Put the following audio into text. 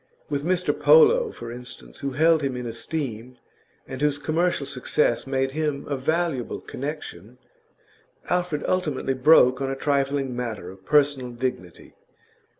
With Mr Polo, for instance, who held him in esteem, and whose commercial success made him a valuable connection, Alfred ultimately broke on a trifling matter of personal dignity.